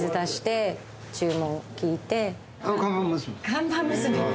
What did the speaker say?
「看板娘」